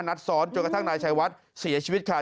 นัดซ้อนจนกระทั่งนายชัยวัดเสียชีวิตค่ะ